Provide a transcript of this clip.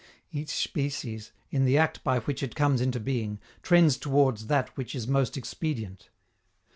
Each species, in the act by which it comes into being, trends towards that which is most expedient.